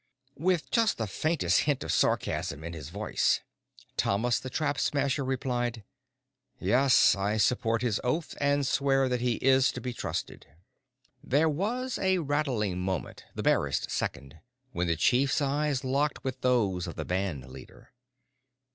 With just the faintest hint of sarcasm in his voice, Thomas the Trap Smasher replied: "Yes. I support his oath and swear that he is to be trusted." There was a rattling moment, the barest second, when the chief's eyes locked with those of the band leader.